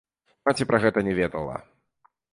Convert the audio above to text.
Маці пра гэта не ведала.